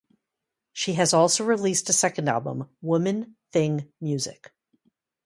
She has also released a second album, "Woman Thing Music".